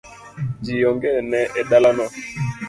Ji onge e dalano